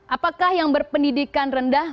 apakah yang berpendidikan rendah